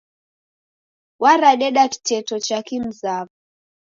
W'aradeda kiteto cha kimzaw'o.